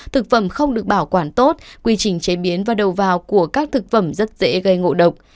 thực phẩm không được bảo quản tốt quy trình chế biến và đầu vào của các thực phẩm rất dễ gây ngộ độc